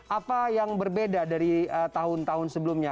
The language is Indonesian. apa yang berbeda dari tahun tahun sebelumnya